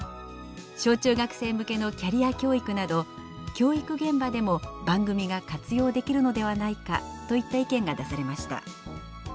「小中学生向けのキャリア教育など教育現場でも番組が活用できるのではないか」といった意見が出されました。